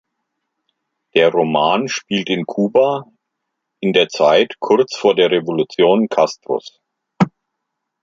Der Roman spielt in Kuba in der Zeit kurz vor der Revolution Castros.